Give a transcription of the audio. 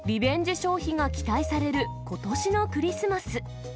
消費が期待されることしのクリスマス。